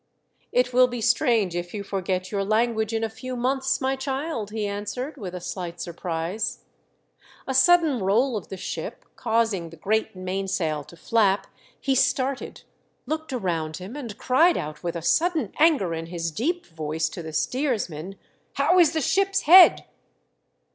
" It will be strange if you forget your lan guage in a few months, my child," he answered, with a slight surprise. A sudden roll of the ship causing the great mainsail to flap, he started, looked around him, and cried out with a sudden anger in his deep voice, to the steersman, " How is the ship's head